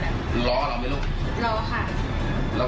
รอเราไหมลูกรอค่ะแล้วก็ไม่อยากครบเรา